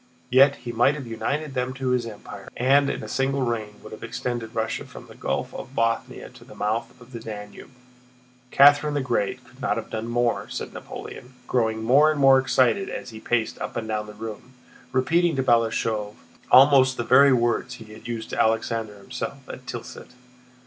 Yet he might have united them to his empire and in a single reign would have extended Russia from the Gulf of Bothnia to the mouths of the Danube. Catherine the Great could not have done more," said Napoleon, growing more and more excited as he paced up and down the room, repeating to Balashëv almost the very words he had used to Alexander himself at Tilsit.